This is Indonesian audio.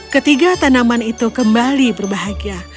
ketiga tanaman itu kembali berbahagia